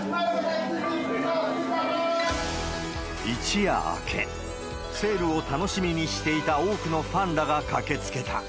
一夜明け、セールを楽しみにしていた多くのファンらが駆けつけた。